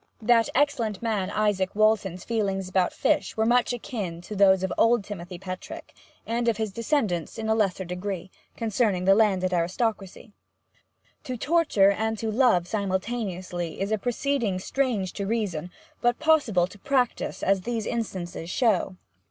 That excellent man Izaak Walton's feelings about fish were much akin to those of old Timothy Petrick, and of his descendants in a lesser degree, concerning the landed aristocracy. To torture and to love simultaneously is a proceeding strange to reason, but possible to practice, as these instances show.